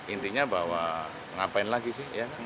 intinya bahwa ngapain lagi sih